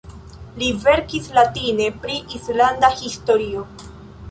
Li verkis latine pri islanda historio.